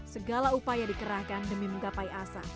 segala upaya dikerahkan demi menggapai asa